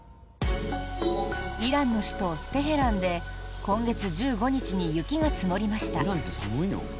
イランの首都テヘランで今月１５日に雪が積もりました。